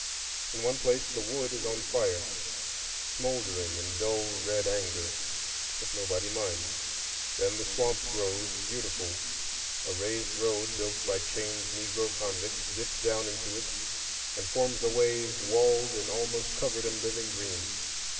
In one place the wood is on fire, smouldering in dull red anger; but nobody minds. Then the swamp grows beautiful; a raised road, built by chained Negro convicts, dips down into it, and forms a way walled and almost covered in living green.